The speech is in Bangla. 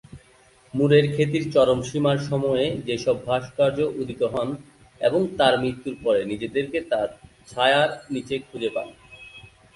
মুরের খ্যাতির চরম সীমার সময়ে যে সব ভাস্কর উদিত হন, এবং তার মৃত্যুর পরে, নিজেদেরকে তার ছায়ার নিচে খুঁজে পান।